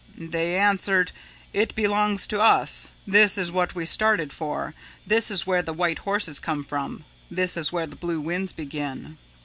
They answered, 'It belongs to us; this is what we started for; this is where the white horses come from; this is where the blue winds begin.'"